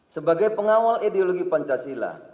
sebagai pengawal ideologi pancasila